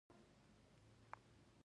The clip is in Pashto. د ژونـد هـره شـيبه او صحـنه يـې